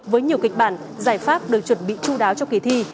với nhiều kịch bản giải pháp được chuẩn bị chú đáo cho kỳ thi